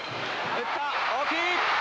打った大きい！